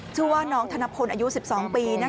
ชื่อว่าน้องธนพลอายุ๑๒ปี